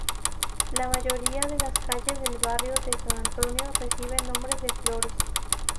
La mayoría de las calles del Barrio de San Antonio reciben nombres de flores.